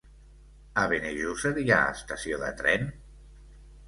A Benejússer hi ha estació de tren?